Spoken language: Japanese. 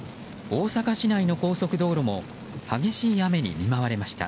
大阪市内の高速道路も激しい雨に見舞われました。